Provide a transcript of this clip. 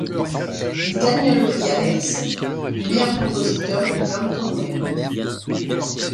Il gagne le prix Alerce du Meilleur Compositeur du Canto Nuevo.